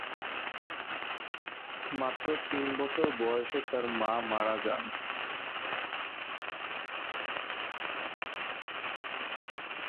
মাত্র তিন বছর বয়সে তার মা মারা যান।